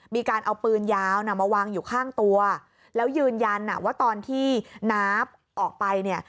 มีการเอาปืนยาวน่ะมาวางอยู่ข้างตัวแล้วยืนยันว่าตอนที่น้าออกไปเนี่ย